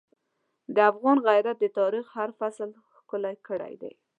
د افغان غیرت د تاریخ هر فصل ښکلی کړی دی.